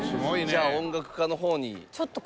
じゃあ音楽科の方に。